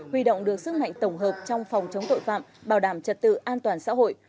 huy động được sức mạnh tổng hợp trong phòng chống tội phạm bảo đảm trật tự an toàn xã hội